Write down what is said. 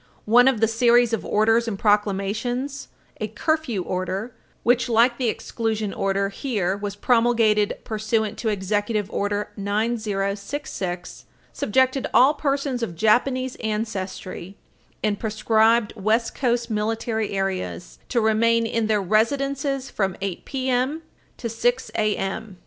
..." One of the series of orders and proclamations, a curfew order, which, like the exclusion order here, was promulgated pursuant to Executive Order 9066, subjected all persons of Japanese ancestry in prescribed West Coast military areas to remain in their residences from 8 p.m. to 6 a.m.